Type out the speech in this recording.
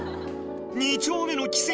二丁目の奇跡